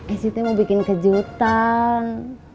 esi tuh mau bikin kejutan